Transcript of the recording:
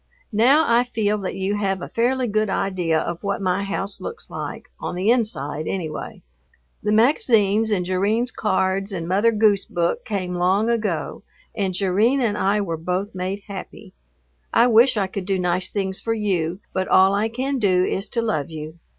Now I feel that you have a fairly good idea of what my house looks like, on the inside anyway. The magazines and Jerrine's cards and Mother Goose book came long ago, and Jerrine and I were both made happy. I wish I could do nice things for you, but all I can do is to love you.